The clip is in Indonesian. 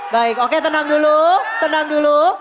baik oke tenang dulu tenang dulu